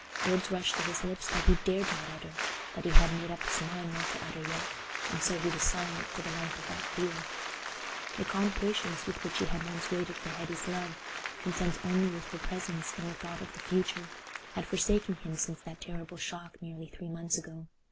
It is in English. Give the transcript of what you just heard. Words rushed to his lips that he dared not utter—that he had made up his mind not to utter yet—and so he was silent for the length of that field. The calm patience with which he had once waited for Hetty's love, content only with her presence and the thought of the future, had forsaken him since that terrible shock nearly three months ago.